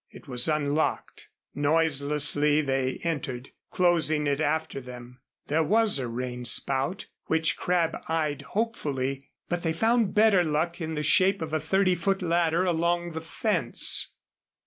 It was unlocked. Noiselessly they entered, closing it after them. There was a rain spout, which Crabb eyed hopefully; but they found better luck in the shape of a thirty foot ladder along the fence.